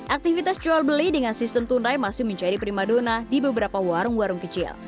aktivitas jual beli dengan sistem tunai masih menjadi prima dona di beberapa warung warung kecil